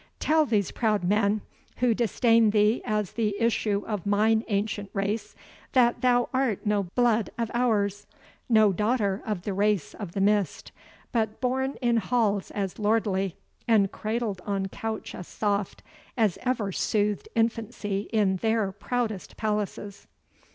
Tell these proud men, who disdain thee as the issue of mine ancient race, that thou art no blood of ours, no daughter of the race of the Mist, but born in halls as lordly, and cradled on couch as soft, as ever soothed infancy in their proudest palaces."